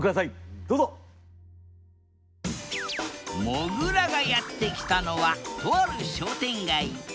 もぐらがやって来たのはとある商店街。